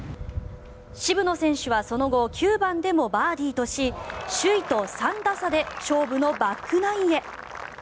渋野選手はその後、９番でもバーディーとし首位と３打差で勝負のバックナインへ。